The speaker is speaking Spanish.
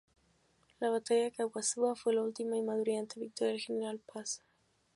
La batalla de Caaguazú fue la última y más brillante victoria del general Paz.